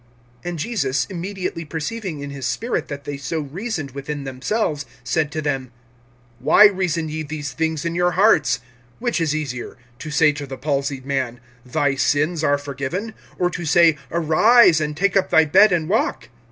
(8)And Jesus, immediately perceiving in his spirit that they so reasoned within themselves, said to them: Why reason ye these things in your hearts? (9)Which is easier, to say to the palsied man, Thy sins are forgiven; or to say, Arise, and take up thy bed, and walk?